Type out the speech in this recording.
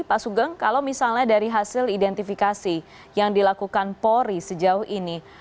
pak sugeng kalau misalnya dari hasil identifikasi yang dilakukan polri sejauh ini